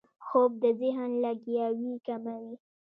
خوب د ذهن لګیاوي کموي